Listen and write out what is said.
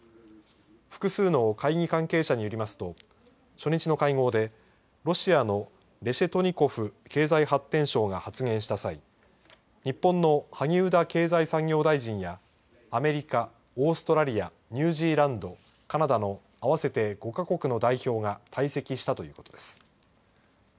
複数の会議関係者によりますと初日の会合でロシアのレシェトニコフ経済発展相が発言した際日本の萩生田経済産業大臣やアメリカ、オーストラリアニュージーランド、カナダの合わせて５か国の代表が退席したということです。